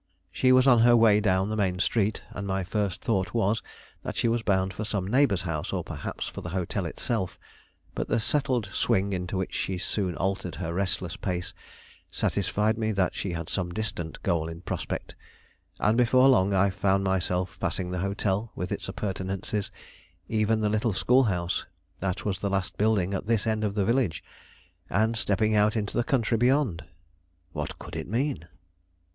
She was on her way down the main street, and my first thought was, that she was bound for some neighbor's house or perhaps for the hotel itself; but the settled swing into which she soon altered her restless pace satisfied me that she had some distant goal in prospect; and before long I found myself passing the hotel with its appurtenances, even the little schoolhouse, that was the last building at this end of the village, and stepping out into the country beyond. What could it mean?